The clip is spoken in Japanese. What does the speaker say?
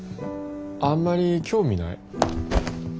あんまり興味ない。